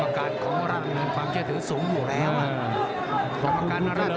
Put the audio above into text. กรรมการของสำรัฐบิญญัติความเชื่อถือสูงปวดมาก